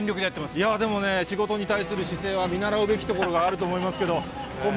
いやー、でもね、仕事に対する姿勢は見習うべきところがあると思いますけれども。